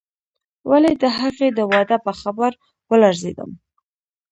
ولې د هغې د واده په خبر ولړزېدم.